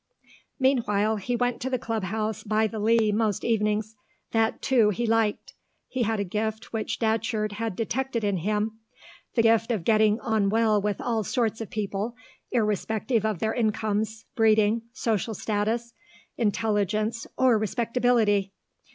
Meanwhile he went to the Club House by the Lea most evenings. That, too, he liked. He had a gift which Datcherd had detected in him, the gift of getting on well with all sorts of people, irrespective of their incomes, breeding, social status, intelligence, or respectability.